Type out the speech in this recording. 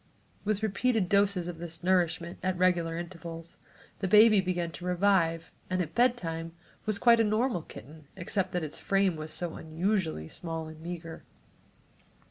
With repeated doses of this nourishment at regular intervals the baby began to revive and at bedtime was quite a normal kitten, except that its frame was so unusually small and meager.